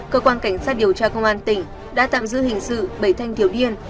cơ quan cảnh sát điều tra công an tỉnh đã tạm giữ hình sự bảy thanh thiếu niên